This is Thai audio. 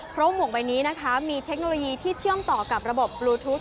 เพราะหมวกใบนี้นะคะมีเทคโนโลยีที่เชื่อมต่อกับระบบปลูทูป